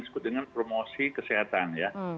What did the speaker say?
disebut dengan promosi kesehatan ya